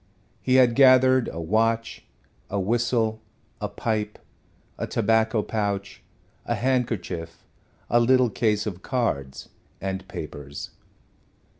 He had gathered a watch, a whistle, a pipe, a tobacco pouch, a handkerchief, a little case of cards and papers.